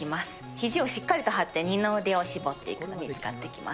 ひじをしっかりと張って二の腕を絞って、使っていきます。